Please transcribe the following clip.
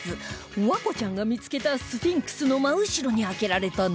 環子ちゃんが見つけたスフィンクスの真後ろに開けられた謎の穴